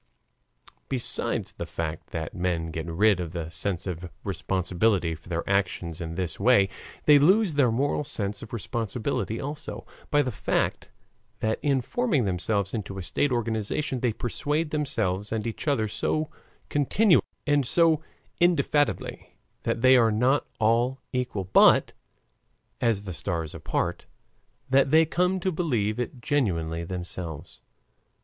Besides the fact that men get rid of the sense of responsibility for their actions in this way, they lose their moral sense of responsibility also, by the fact that in forming themselves into a state organization they persuade themselves and each other so continually, and so indefatigably, that they are not all equal, but "as the stars apart," that they come to believe it genuinely themselves.